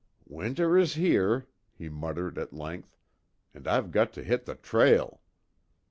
"Winter is here," he muttered, at length, "And I've got to hit the trail."